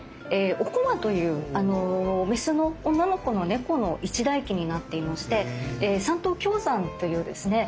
「おこま」というメスの女の子の猫の一代記になっていまして山東京山というですね